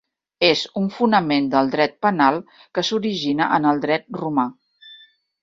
És un fonament del dret penal que s'origina en el dret romà.